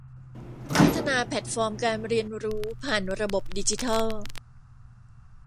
พัฒนาแพลตฟอร์มการเรียนรู้ผ่านระบบดิจิทัล